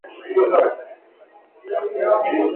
na ya kiraia na vyombo vya habari kuzungumzia juu ya mahakama